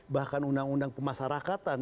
bahkan undang undang kemasyarakatan